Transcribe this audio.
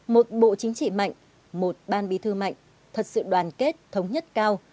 một bộ chính trị mạnh một ban bí thư mạnh thật sự đoàn kết thống nhất cao